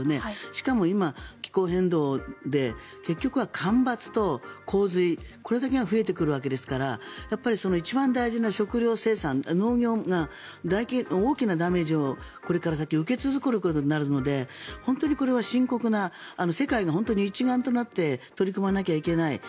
しかも今、気候変動で結局は干ばつと洪水これだけが増えてくるわけですから一番大事な食糧生産、農業が大きなダメージをこれから先受け続けることになるので本当にこれは深刻な世界が本当に一丸となって取り組まなきゃいけない